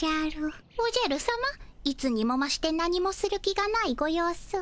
おじゃるさまいつにもまして何もする気がないご様子。